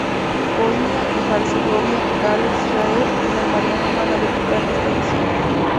Bosnia y Herzegovina, Gales, Israel y San Marino iban a debutar en esta edición.